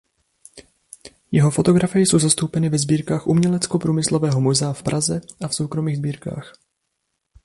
Jeho fotografie jsou zastoupeny ve sbírkách Uměleckoprůmyslového muzea v Praze a v soukromých sbírkách.